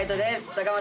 高松